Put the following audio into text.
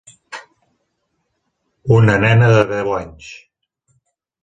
Una nena de deu anys.